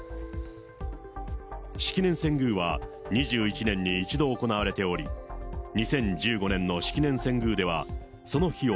式年遷宮は２１年に１度行われており、２０１５年の式年遷宮では、その費用